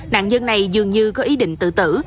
nạn nhân này dường như có ý định tự tử